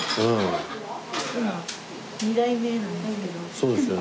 そうですよね。